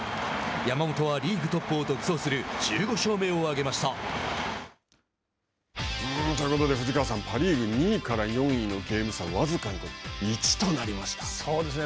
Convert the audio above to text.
山本はリーグトップを独走するということで、藤川さん、パ・リーグ２位から４位のゲーム差、僅か１そうですね。